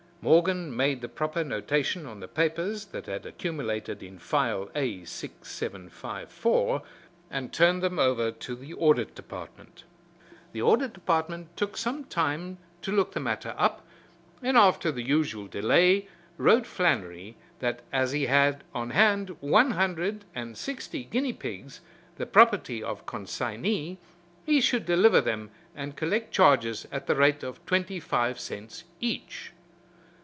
Morgan made the proper notation on the papers that had accumulated in File A6754, and turned them over to the Audit Department. The Audit Department took some time to look the matter up, and after the usual delay wrote Flannery that as he had on hand one hundred and sixty guinea pigs, the property of consignee, he should deliver them and collect charges at the rate of twenty five cents each.